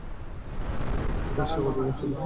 অপরদিকে কুরাইশরা কতজন ছিল?